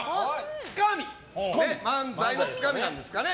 つかみ漫才のつかみなんですかね。